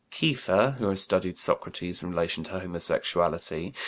Kiefer, who has studied Socrates in relation to homosexuality (O.